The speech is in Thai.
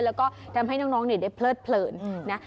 แล้วก็ทำให้น้องเนี่ยได้เพลิดนะ